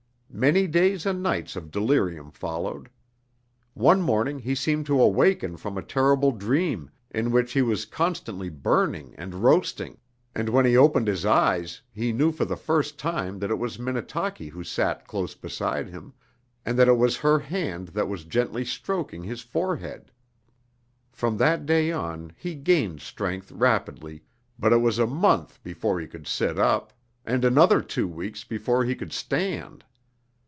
Many days and nights of delirium followed. One morning he seemed to awaken from a terrible dream, in which he was constantly burning and roasting, and when he opened his eyes he knew for the first time that it was Minnetaki who sat close beside him, and that it was her hand that was gently stroking his forehead. From that day on he gained strength rapidly, but it was a month before he could sit up, and another two weeks before he could stand.